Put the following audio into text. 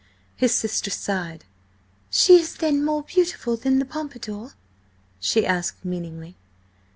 His sister sighed. "She is then more beautiful than the Pompadour?" she asked meaningly.